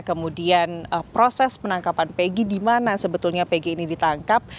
kemudian proses penangkapan pegg di mana sebetulnya pg ini ditangkap